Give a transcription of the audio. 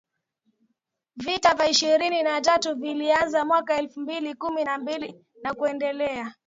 Vita vya ishirini na tatu vilianza mwaka elfu mbili kumi na mbili na kuendelea